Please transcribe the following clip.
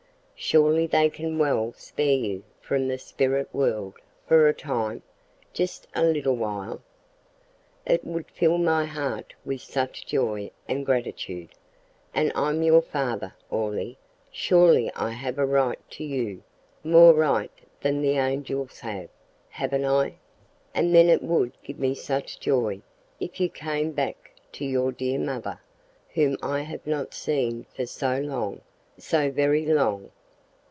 Surely they can well spare you from the spirit world for a time just a little while. It would fill my heart with such joy and gratitude. And I'm your father, Orley, surely I have a right to you more right than the angels have haven't I? and then it would give such joy, if you came back, to your dear mother, whom I have not seen for so long so very long!"